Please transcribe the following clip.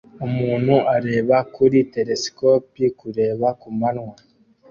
Umuntu areba kuri telesikopi kureba kumanywa